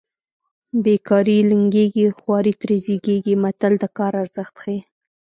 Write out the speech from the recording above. بې کاري لنګېږي خواري ترې زېږېږي متل د کار ارزښت ښيي